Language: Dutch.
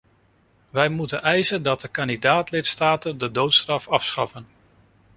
Wij moeten eisen dat de kandidaat-lidstaten de doodstraf afschaffen.